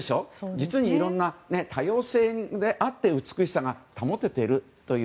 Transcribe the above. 実にいろんな多様性であって美しさが保てているという。